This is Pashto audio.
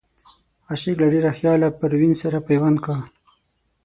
عاشق له ډېره خياله پروين سره پيوند کا